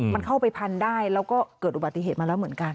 มันเข้าไปพันได้แล้วก็เกิดอุบัติเหตุมาแล้วเหมือนกัน